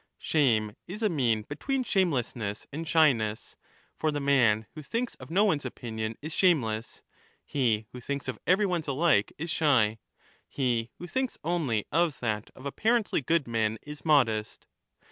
\ Shame is a mean between shamelessness and shyness ; for the man who thinks of no one's opinion is shameless, he who thinks of every one's alike is shy, he who thinks only of that \ of apparently good men is modest.